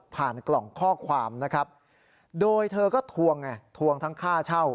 กล่องข้อความนะครับโดยเธอก็ทวงไงทวงทั้งค่าเช่า